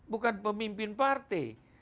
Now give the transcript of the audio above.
bukan pemimpin partai